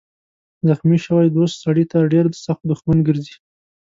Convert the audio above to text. زخمي شوی دوست سړی ته ډېر سخت دښمن ګرځي.